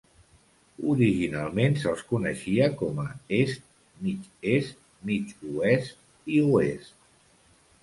Originalment se'ls coneixia com a est, mig-est, mig-oest i oest.